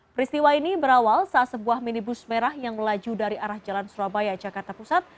peristiwa ini berawal saat sebuah minibus merah yang melaju dari arah jalan surabaya jakarta pusat